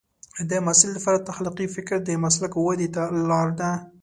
د محصل لپاره تخلیقي فکر د مسلک ودې ته لار ده.